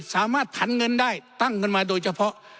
สามารถผันเงินได้ตั้งเงินมาโดยเฉพาะ